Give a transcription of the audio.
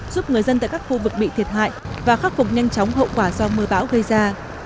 giúp người dân tại các khu vực bị thiệt hại và khắc phục nhanh chóng hậu quả do mưa bão gây ra